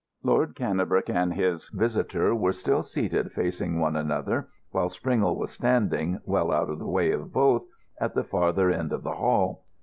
Lord Cannebrake and his visitor were still seated facing one another, while Springle was standing, well out of the way of both, at the farther end of the hall.